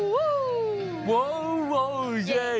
แปปปะน่าจะสุดท้าย